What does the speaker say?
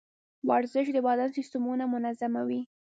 ورزش د بدن سیستمونه منظموي.